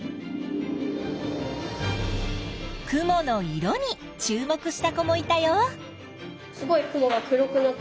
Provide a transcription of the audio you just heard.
雲の色に注目した子もいたよ。